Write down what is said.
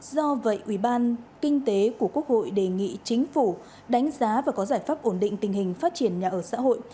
do vậy ubkh đề nghị chính phủ đánh giá và có giải pháp ổn định tình hình phát triển nhà ở xã hội